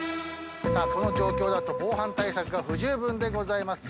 この状況だと防犯対策が不十分でございます。